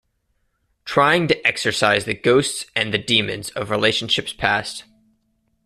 Trying to exorcise the ghosts and the demons of relationships past.